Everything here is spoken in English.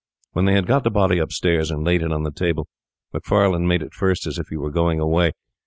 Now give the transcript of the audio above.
When they had got the body upstairs and laid it on the table, Macfarlane made at first as if he were going away.